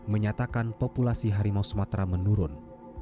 menyatakan populasi harimau sumatera menurun